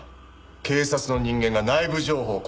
警察の人間が内部情報を公開するなんて。